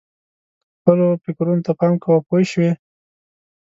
خپلو فکرونو ته پام کوه پوه شوې!.